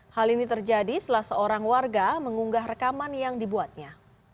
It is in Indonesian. hal ini terjadi setelah seorang warga mengunggah rekaman yang dibuatnya